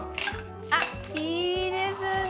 あっいいですね